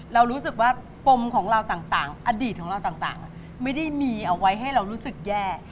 เรารู้สึกว่าปมของเราต่างอดีตของเราต่างไม่ได้มีเอาไว้ให้เรารู้สึกแย่